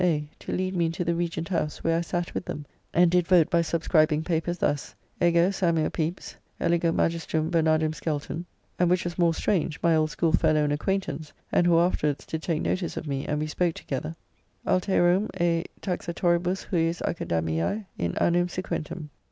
A. to lead me into the Regent House, where I sat with them, and did [vote] by subscribing papers thus: "Ego Samuel Pepys eligo Magistrum Bernardum Skelton, (and which was more strange, my old schoolfellow and acquaintance, and who afterwards did take notice of me, and we spoke together), alterum e taxatoribus hujus Academiae in annum sequentem."